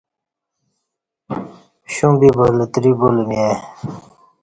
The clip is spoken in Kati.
شوں بِبا لتری بُلہ می ای